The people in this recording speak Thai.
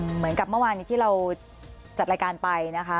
เหมือนกับเมื่อวานนี้ที่เราจัดรายการไปนะคะ